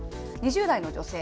２０代の女性。